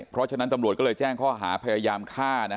เพราะฉะนั้นตำรวจก็เลยแจ้งข้อหาพยายามฆ่า